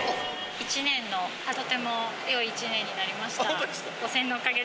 一年はとてもよい一年になりました。